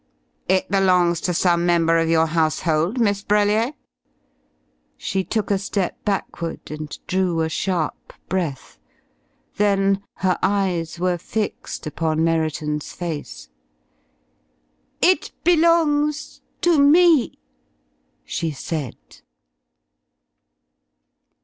"It belongs to some member of your household, Miss Brellier?" She took a step backward and drew a sharp breath. Then her eyes were fixed upon Merriton's face. "It belongs to me," she said.